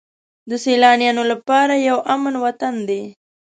د سیلانیانو لپاره یو امن وطن دی.